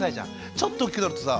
ちょっと大きくなるとさ